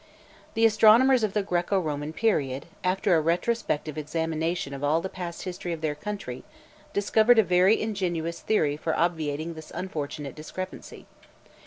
The astronomers of the Græco Roman period, after a retrospective examination of all the past history of their country, discovered a very ingenious theory for obviating this unfortunate discrepancy.